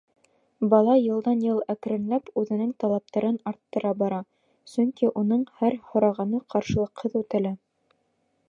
Бала йылдан-йыл әкренләп үҙенең талаптарын арттыра бара, сөнки уның һәр һорағаны ҡаршылыҡһыҙ үтәлә.